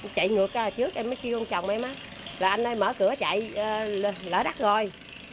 chạy ngược trước em mới kêu ông chồng em á là anh ơi mở cửa chạy lỡ đắt rồi